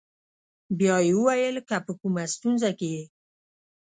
بیا یې وویل: که په کومه ستونزه کې یې.